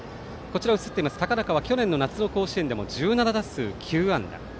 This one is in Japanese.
高中は去年の夏の甲子園でも１７打数９安打。